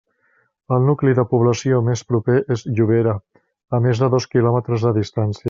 El nucli de població més proper és Llobera, a més de dos quilòmetres de distància.